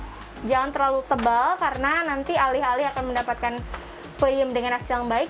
jadi jangan terlalu tebal karena nanti alih alih akan mendapatkan payam dengan hasil yang baik